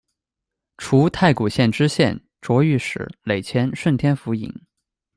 除太谷县知县，擢御史，累迁顺天府尹。